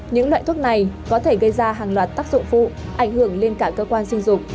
những loại thuốc này có thể gây ra hàng loạt tác dụng phụ ảnh hưởng lên cả cơ quan sinh dục